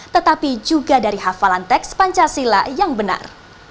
tetapi juga dari hafalan teks pancasila yang benar